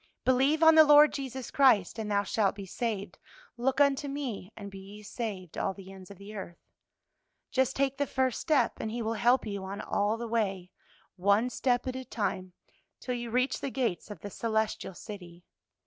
"'Believe on the Lord Jesus Christ, and thou shalt be saved,' 'Look unto me and be ye saved, all the ends of the earth.' "Just take the first step, and He will help you on all the way, one step at a time, till you reach the gates of the celestial city.